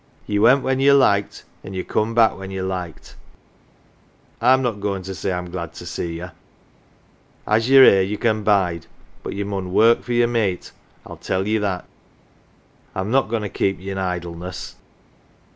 Ye went when ye liked, an' ye come back when ye liked I'm not goin' to say I'm glad to see ye. As ye're here ye can bide but ye mun work for yer mate I tell ye that. I'm not goin' to keep ye in idleness.